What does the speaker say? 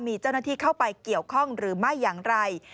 มีเจ้าหน้าที่เข้าไปเกี่ยวข้องหรือไม่อย่างไร